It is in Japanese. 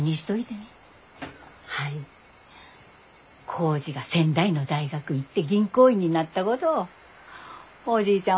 耕治が仙台の大学行って銀行員になったごどおじいちゃん